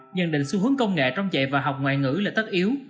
nhận định xu hướng công nghệ trong dạy và học ngoại ngữ là tất yếu